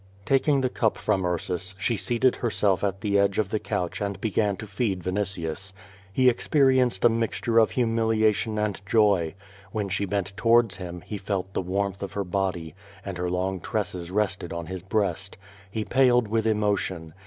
'^ Taking the cup from Ursus, she seated herself at the edge of the couch and began to feed Vinitius. He experienced a mixture of humiliation and joy. When she bent towards him, he felt the warmth of her body, and her long tresses rested on his breast. He paled with emotion.